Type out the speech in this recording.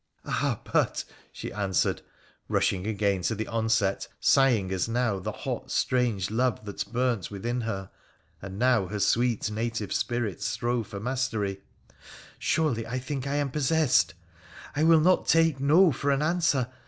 ' Ah, but,' she answered, rushing again to the onset, sigh ing as now the hot, strange love that burnt within her, and now her sweet native spirit strove for mastery —(' surely, I think, I am possessed), I will not take "No " for an answer.